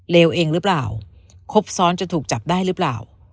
เลวเองหรือเปล่าครบซ้อนจนถูกจับได้หรือเปล่า